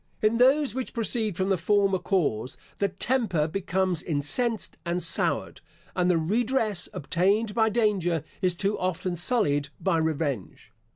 In those which proceed from the former cause, the temper becomes incensed and soured; and the redress, obtained by danger, is too often sullied by revenge.